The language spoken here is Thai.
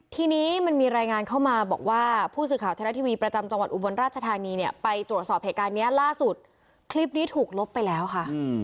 ทีนี้มันมีรายงานเข้ามาบอกว่าผู้สื่อข่าวไทยรัฐทีวีประจำจังหวัดอุบลราชธานีเนี่ยไปตรวจสอบเหตุการณ์นี้ล่าสุดคลิปนี้ถูกลบไปแล้วค่ะ